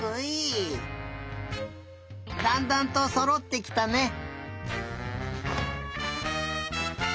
だんだんとそろってきたね。